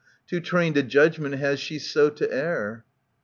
Too trained a judgment has she so to err.